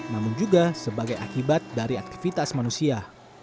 namun juga sebagai akibat dari aktivitas manusia